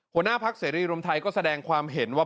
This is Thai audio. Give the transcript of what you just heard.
หัวหน้าพักเสรีรวมไทยก็แสดงความเห็นว่า